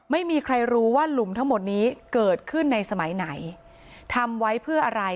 ไม่มีใครรู้ว่าหลุมทั้งหมดนี้เกิดขึ้นในสมัยไหนทำไว้เพื่ออะไร